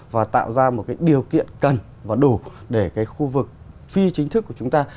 và tạo ra một cái điều kiện cần và đủ để cái khu vực phi chính thức của chúng ta